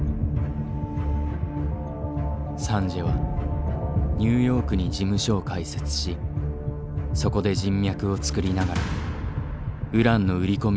サンジエはニューヨークに事務所を開設しそこで人脈を作りながらウランの売り込みを画策。